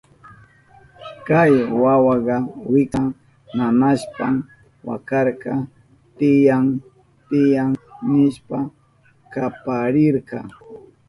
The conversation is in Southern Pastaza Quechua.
Kay wawaka wiksan nanashpan wakarka, chiyán chiyán nishpa kaparirka.